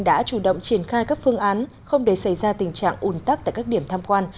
đã chủ động triển khai các phương án không để xảy ra tình trạng ủn tắc tại các điểm tham quan